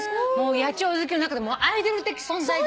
野鳥好きの中でもアイドル的存在で。